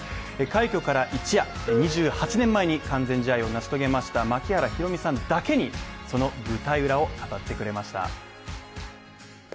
快挙から一夜、２８年前に完全試合を成し遂げました槙原寛己さんだけに、その舞台裏を語っていただきました。